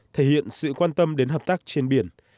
thể hiện sự quan tâm đến hợp tác trên biển